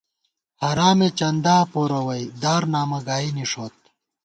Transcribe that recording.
حرامے چندا پورَوَئی ، دارنامہ گائی نِݭوت